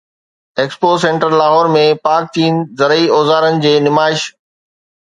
expo centre Lahore ۾ Pak چين زرعي اوزارن جي نمائش